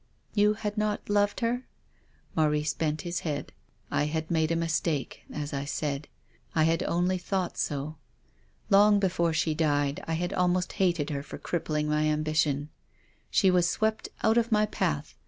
" You had not loved her?" Maurice bent his head. " I had made a mistake, as I said. I had only thought so. Long before she died I had almost hated her for crippling my ambition. She was swept out of my path.